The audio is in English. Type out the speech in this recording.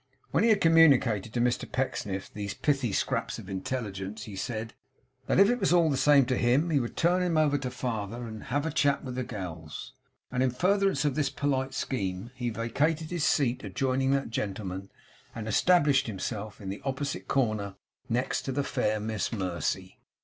When he had communicated to Mr Pecksniff these pithy scraps of intelligence, he said, 'That if it was all the same to him, he would turn him over to father, and have a chat with the gals;' and in furtherance of this polite scheme, he vacated his seat adjoining that gentleman, and established himself in the opposite corner, next to the fair Miss Mercy.